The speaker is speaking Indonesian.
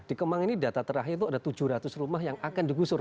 di kemang ini data terakhir itu ada tujuh ratus rumah yang akan digusur